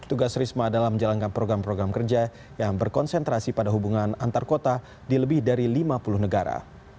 tugas risma adalah menjalankan program program kerja yang berkonsentrasi pada hubungan antar kota di lebih dari lima puluh negara